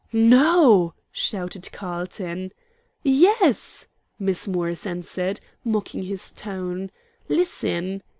"No?" shouted Carlton. "Yes," Miss Morris answered, mocking his tone. "Listen.